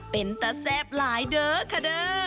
เป็นตะแซ่บหลายเด้อค่ะเด้อ